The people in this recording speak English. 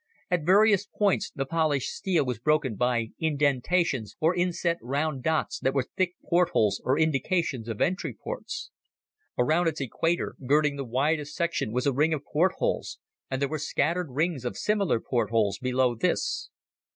At various points the polished steel was broken by indentations or inset round dots that were thick portholes or indications of entry ports. Around its equator, girding the widest section was a ring of portholes, and there were scattered rings of similar portholes below this.